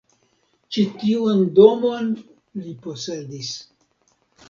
Ĉi tiun domon li posedis.